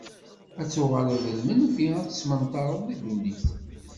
Ad tuɣaleḍ d lmenfi, ad tettmenṭareḍ di ddunit.